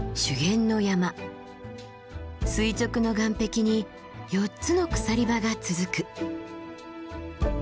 垂直の岩壁に４つの鎖場が続く。